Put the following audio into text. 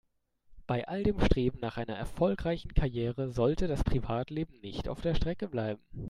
Bei all dem Streben nach einer erfolgreichen Karriere sollte das Privatleben nicht auf der Strecke bleiben.